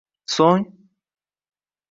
So’ng…